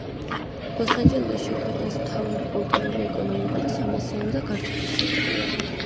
ლოს-ანჯელესი ქვეყნის მთავარი კულტურული, ეკონომიკური, სამეცნიერო და გართობის ცენტრია.